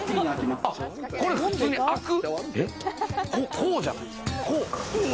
こうじゃない？